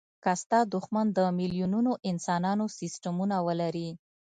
که ستا دوښمن د میلیونونو انسانانو سستمونه ولري.